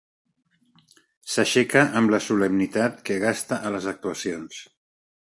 S'aixeca amb la solemnitat que gasta a les actuacions.